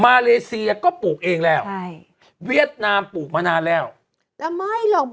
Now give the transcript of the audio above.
เลเซียก็ปลูกเองแล้วใช่เวียดนามปลูกมานานแล้วแล้วไม่หรอก